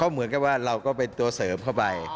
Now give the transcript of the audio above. เหมือนกับว่าเราก็เป็นตัวเสริมเข้าไป